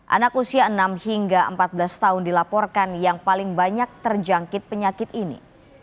anak usia enam hingga empat belas tahun dilaporkan yang paling banyak terjangkit penyakit ini